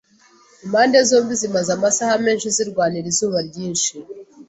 Impande zombi zimaze amasaha menshi zirwanira izuba ryinshi.